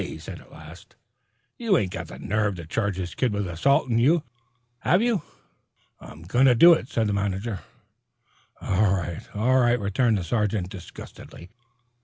he said at last, "you ain't got the nerve to charge this kid with assaulting you, have you?" "I'm going to do it," said the manager. "Oh, all right," returned the sergeant disgustedly.